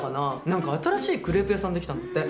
何か新しいクレープ屋さん出来たんだって。